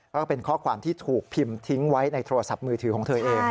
ก็เป็นข้อความที่ถูกพิมพ์ทิ้งไว้ในโทรศัพท์มือถือของเธอเอง